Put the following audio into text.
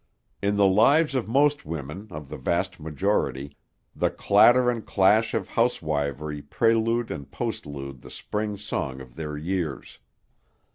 In the lives of most women, of the vast majority, the clatter and clash of housewifery prelude and postlude the spring song of their years.